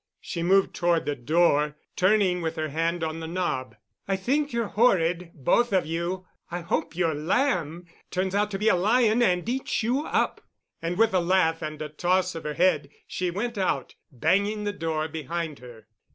She moved toward the door, turning with her hand on the knob—"I think you're horrid—both of you. I hope your lamb turns out to be a lion, and eats you up." And, with a laugh and a toss of her head, she went out, banging the door behind her.